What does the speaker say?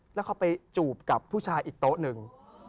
แล้วเขาไปจูบกับผู้ชายอีกโต๊ะหนึ่ง